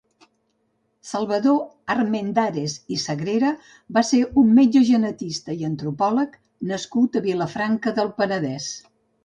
Salvador Armendares i Sagrera va ser un metge genetista i antropòleg nascut a Vilafranca del Penedès.